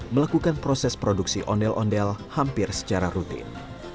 melakukan proses produksi ondel ondel hampir secara rutin